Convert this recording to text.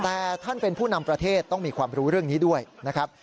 แต่ท่านเป็นผู้นำประเทศต้องมีความรู้เรื่องนี้ด้วยนะครับ